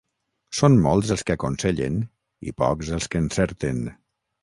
Són molts els que aconsellen i pocs els que encerten.